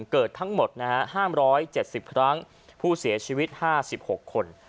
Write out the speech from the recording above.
เกิดทั้งหมด๕๗๐ครั้งผู้เสียชีวิต๕๖คน